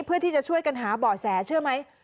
เพื่อที่จะช่วยกันหาเบาะแสเชื่อไหม